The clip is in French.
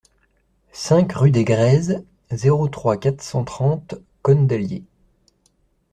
cinq rue des Grèzes, zéro trois, quatre cent trente Cosne-d'Allier